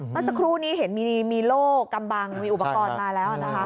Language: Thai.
เมื่อสักครู่นี้เห็นมีโล่กำบังมีอุปกรณ์มาแล้วนะคะ